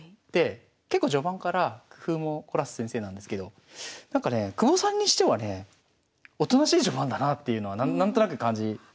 で結構序盤から工夫も凝らす先生なんですけどなんかねえ久保さんにしてはねえおとなしい序盤だなっていうのは何となく感じ。